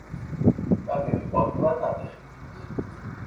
ნაგები ყოფილა ნატეხი ქვით.